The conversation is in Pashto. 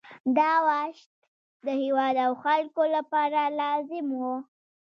دا وحشت د هېواد او خلکو لپاره لازم وو.